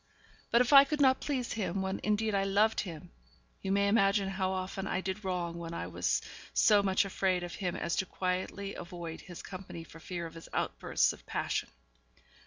But if I could not please him when indeed I loved him, you may imagine how often I did wrong when I was so much afraid of him as to quietly avoid his company for fear of his outbursts of passion.